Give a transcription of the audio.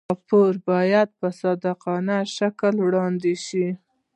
راپور باید په صادقانه شکل وړاندې شي.